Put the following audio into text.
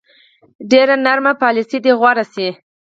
ډېره نرمه پالیسي دې غوره شي.